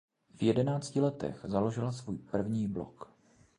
V jedenácti letech založila svůj první blog.